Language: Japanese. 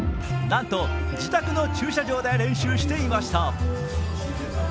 なんと、自宅の駐車場で練習していました。